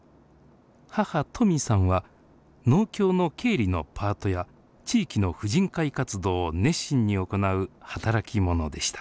母トミさんは農協の経理のパートや地域の婦人会活動を熱心に行う働き者でした。